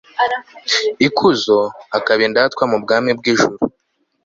ikuzo, akaba indatwa mu bwami bw'ijuru